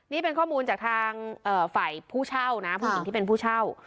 นี่เป็นข้อมูลจากทางฝ่ายผู้เช่านะผู้หญิงที่เป็นผู้เช่า